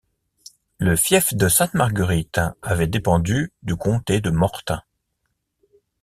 Le fief de Sainte-Marguerite avait dépendu du comté de Mortain.